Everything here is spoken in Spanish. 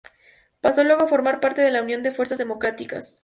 Pasó luego a formar parte de la Unión de Fuerzas Democráticas.